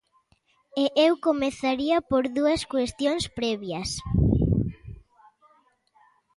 E eu comezaría por dúas cuestións previas.